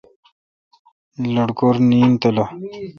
لٹکور نیند تیلو۔